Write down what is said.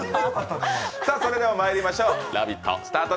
それではまいりましょう、「ラヴィット！」